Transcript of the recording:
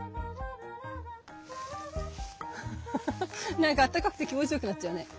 なんかあったかくて気持ち良くなっちゃうね。